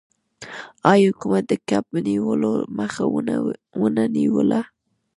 آیا حکومت د کب نیولو مخه ونه نیوله؟